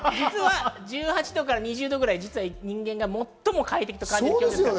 １８度から２０度くらいは人間が最も快適と感じるくらいです。